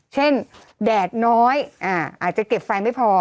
แดดน้อยอาจจะเก็บไฟไม่พอ